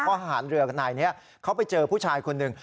เพราะทหารเรือกับนายนี้เขาไปเจอผู้ชายคนหนึ่ง